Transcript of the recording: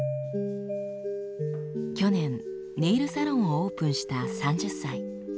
去年ネイルサロンをオープンした３０歳。